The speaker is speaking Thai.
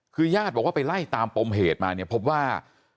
คือยาดบอกว่าไปไล่ตามปรมเหตุมา